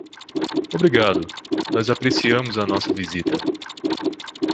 Obrigado, nós apreciamos a nossa visita.